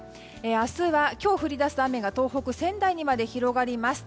明日は今日降り出す雨が東北、仙台にまで広がります。